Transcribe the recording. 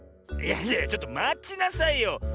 いやいやちょっとまちなさいよ！